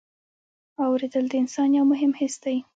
اورېدل د انسان یو مهم حس دی.